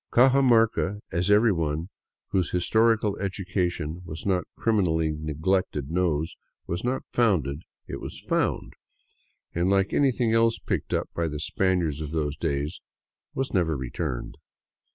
Cajamarca, as everyone whose historical education was not crimi nally neglected knows, was not founded; it was found; and like any thing else picked up by the Spaniards of those days, was never re turned.